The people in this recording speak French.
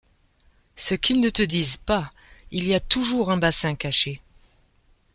Ce qu’ils ne te disent pas : il y a toujours un bassin caché.